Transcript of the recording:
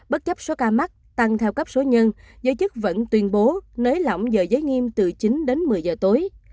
bất chấp số ca mắc tăng theo cấp số nhân giới chức vẫn tuyên bố nới lỏng giờ giới nghiêm từ chín đến một mươi giờ tối